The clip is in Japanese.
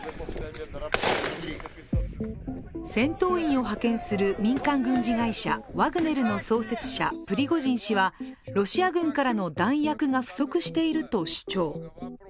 戦闘員を派遣する民間軍事会社ワグネルの創設者、プリゴジン氏はロシア軍からの弾薬が不足していると主張。